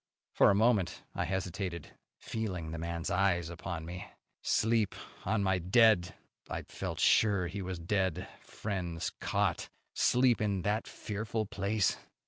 For a moment I hesitated, feeling the man's eyes upon me. Sleep on my dead I felt sure he was dead friend's cot! Sleep in that fearful place!